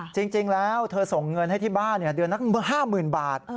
จริงแล้วเธอส่งเงินให้ที่บ้านเดือนละ๕๐๐๐บาท